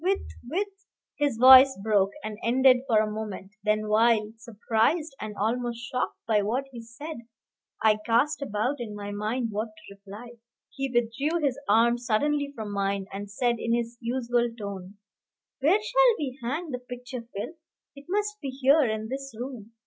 with with " His voice broke and ended for a moment then while, surprised and almost shocked by what he said, I cast about in my mind what to reply, he withdrew his arm suddenly from mine, and said in his usual tone, "Where shall we hang the picture, Phil? It must be here in this room.